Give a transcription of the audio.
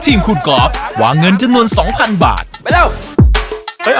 ทีมคุณกรอฟวางเงินทั้งนวน๒๐๐๐บาทนะครับ